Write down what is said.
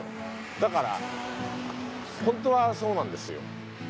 だからホントはそうなんですよ。